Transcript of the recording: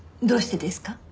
どうしてですか？